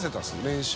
練習。